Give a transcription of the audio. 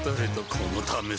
このためさ